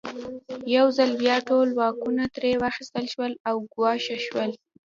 یو ځل بیا ټول واکونه ترې واخیستل شول او ګوښه شو.